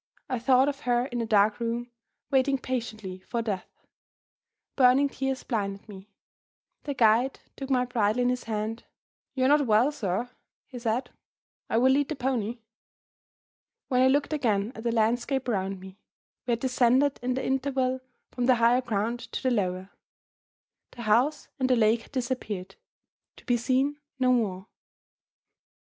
I thought of her in the dark room, waiting patiently for death. Burning tears blinded me. The guide took my bridle in his hand: "You're not well, sir," he said; "I will lead the pony." When I looked again at the landscape round me, we had descended in the interval from the higher ground to the lower. The house and the lake had disappeared, to be seen no more.